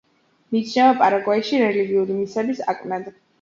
მიიჩნევა პარაგვაიში რელიგიური მისიების აკვნად.